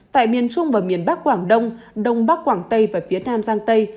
tại miền trung và miền bắc quảng đông đông bắc quảng tây và phía nam giang tây